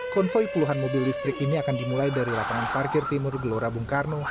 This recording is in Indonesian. konvoi puluhan mobil listrik ini akan dimulai dari lapangan parkir timur gelora bungkarno